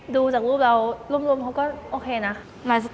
ดูจากรูปเรารวมเขาก็โอเคนะ